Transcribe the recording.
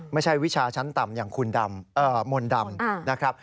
วิชาชั้นต่ำอย่างคุณมนต์ดำนะครับ